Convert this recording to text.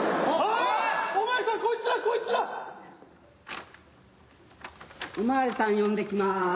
お巡りさん呼んできます。